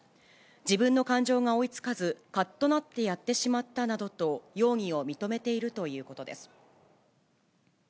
自分の感情が追いつかず、かっとなってやってしまったなどと容疑を認めているということです。